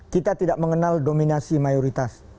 kita tidak mengenal dominasi mayoritas